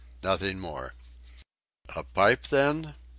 "Nothing more." "A pipe, then?"